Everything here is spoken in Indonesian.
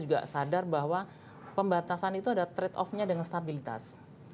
juga sadar bahwa pembatasan itu ada trade off nya dengan stabilitas